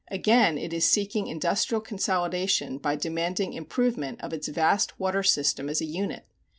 Again it is seeking industrial consolidation by demanding improvement of its vast water system as a unit.